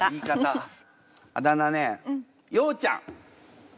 あだ名ねようちゃん。